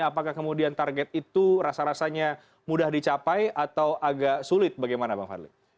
apakah kemudian target itu rasa rasanya mudah dicapai atau agak sulit bagaimana bang fadli